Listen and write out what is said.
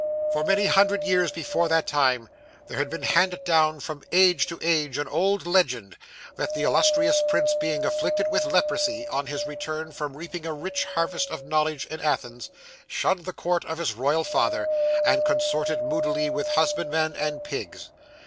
'For many hundred years before that time, there had been handed down, from age to age, an old legend, that the illustrious prince being afflicted with leprosy, on his return from reaping a rich harvest of knowledge in Athens, shunned the court of his royal father, and consorted moodily with husbandman and pigs.